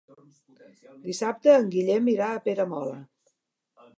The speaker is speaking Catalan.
Dissabte en Guillem irà a Peramola.